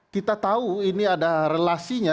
kita tahu ini ada relasinya